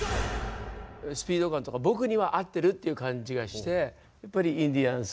スピード感とか僕には合ってるっていう感じがしてインディアンス！